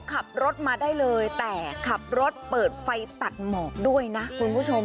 ขับรถมาได้เลยแต่ขับรถเปิดไฟตัดหมอกด้วยนะคุณผู้ชม